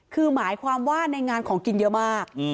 คือหมายความว่าในงานของกินเยอะมาก